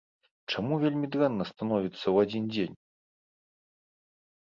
Чаму вельмі дрэнна становіцца ў адзін дзень?